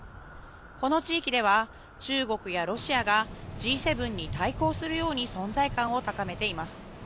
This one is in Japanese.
この地域では中国やロシアがＧ７に対抗するように存在感を高めています。